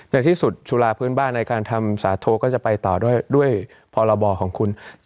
ในที่สุดจุฬาพื้นบ้านในการทำสาโทก็จะไปต่อด้วยพรบของคุณ